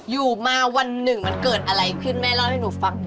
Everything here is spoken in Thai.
อยู่มาวันหนึ่งมันเกิดอะไรขึ้นแม่เล่าให้หนูฟังหน่อย